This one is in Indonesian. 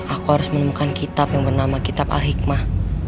aku harus menemukan kitab yang bernama kitab al hikmah